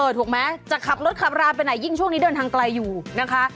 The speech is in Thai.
ถูกไหมจะขับรถขับราไปไหนยิ่งช่วงนี้เดินทางไกลอยู่นะคะ